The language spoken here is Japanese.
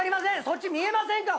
そっち見えませんか？